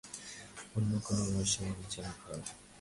অন্য কোনো রহস্যময় অচেনা ঘর।